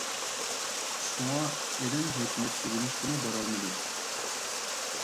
شۇڭا، ئىلىم - ھېكمەت ئۆگىنىشكىمۇ بارالمىدىم.